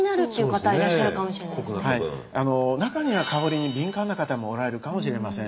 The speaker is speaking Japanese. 中には香りに敏感な方もおられるかもしれません。